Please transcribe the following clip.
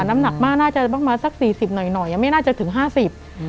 น้ำหนักม่าน่าจะบ้างมาสักสี่สิบหน่อยยังไม่น่าจะถึงห้าสิบ